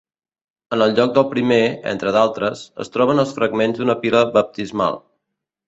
En el lloc del primer, entre d'altres, es troben els fragments d'una pila baptismal.